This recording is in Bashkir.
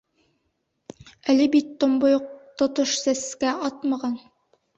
Әле бит томбойоҡ тотош сәскә атмаған.